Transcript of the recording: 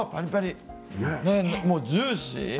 ジューシー。